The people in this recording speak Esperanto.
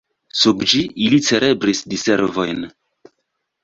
Sub ĝi ili celebris diservojn.